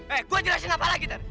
eh gue jelasin apa lagi ntar